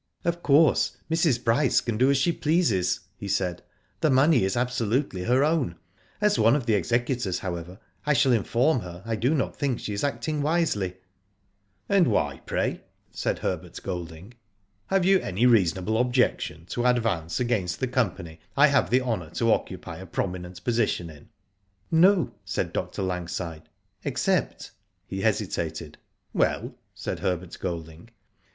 "Of course, Mrs. Bryce can do as she pleases," he said, '*the money is absolutely her own. As one of the executors, however, I shall inform her I do not think she is acting wisely." ''And why, pray?" said Herbert Golding. h Digitized byGoogk 146 IVJIO DID ITf Have y6u any reasonable objection to advance against the company I have the honour to occupy a prominent position in ?"" No," said Dr. Langside, *' except ^" He hesitated. "Well?" said Herbert Golding.